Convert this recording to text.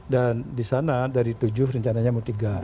dan di sana dari tujuh rencananya mau tiga